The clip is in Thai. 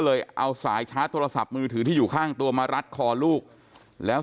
เลยเอาสายชาร์จโทรศัพท์มือถือที่อยู่ข้างตัวมารัดคอลูกแล้ว